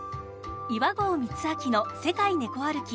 「岩合光昭の世界ネコ歩き」